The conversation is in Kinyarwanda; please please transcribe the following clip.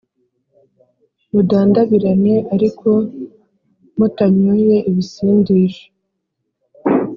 mudandabirane, ariko mutanyoye ibisindisha,